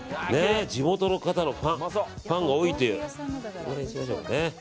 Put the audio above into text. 地元の方のファンが多いという。